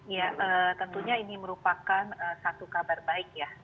ya tentunya ini merupakan satu kabar baik ya